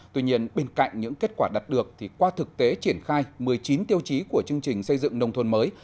tuy nhiên bên cạnh những kết quả đạt được thì qua thực tế triển khai một mươi chín tiêu chí của chương trình xây dựng nông thôn mới